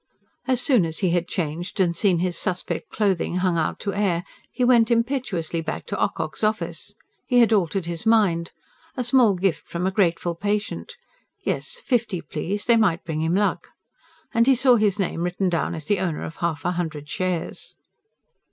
As soon as he had changed and seen his suspect clothing hung out to air, he went impetuously back to Ocock's office. He had altered his mind. A small gift from a grateful patient: yes, fifty, please; they might bring him luck. And he saw his name written down as the owner of half a hundred shares.